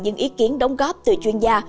những ý kiến đóng góp từ chuyên gia